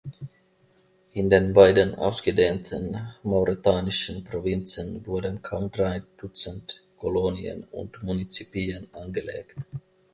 In den beiden ausgedehnten mauretanischen Provinzen wurden kaum drei Dutzend Kolonien und Munizipien angelegt.